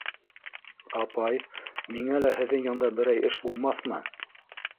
Апай, миңә лә һеҙҙең янда берәй эш булмаҫмы?